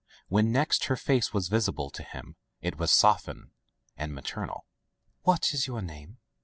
When next her face was visible to him it was softened and maternal. "What is your name?'